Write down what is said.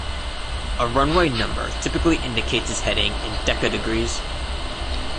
A runway number typically indicates its heading in decadegrees.